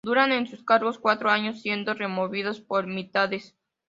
Duran en sus cargos cuatro años siendo removidos por mitades.